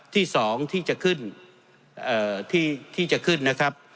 ที่สองที่จะขึ้นเอ่อที่ที่จะขึ้นนะครับ